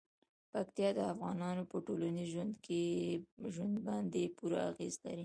پکتیکا د افغانانو په ټولنیز ژوند باندې پوره اغېز لري.